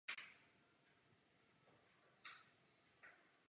Během druhé intifády se okolí obce stalo terčem palestinských teroristů.